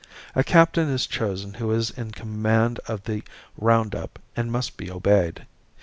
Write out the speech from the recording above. A captain is chosen who is in command of the round up and must be obeyed.